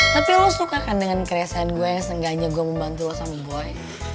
tapi lo suka kan dengan keresahan gue yang seenggaknya gue membantu lo sama gue